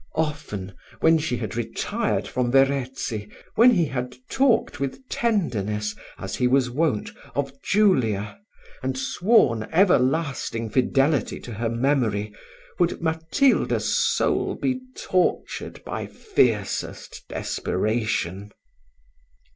Often, when she had retired from Verezzi, when he had talked with tenderness, as he was wont, of Julia, and sworn everlasting fidelity to her memory, would Matilda's soul be tortured by fiercest desperation.